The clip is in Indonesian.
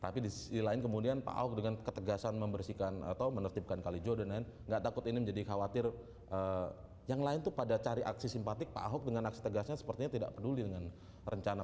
tapi di sisi lain kemudian pak ahok dengan ketegasan membersihkan atau menertibkan kalijodo dan lain lain nggak takut ini menjadi khawatir yang lain itu pada cari aksi simpatik pak ahok dengan aksi tegasnya sepertinya tidak peduli dengan rencana